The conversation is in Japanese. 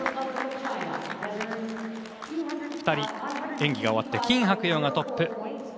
２人、演技が終わって金博洋がトップ。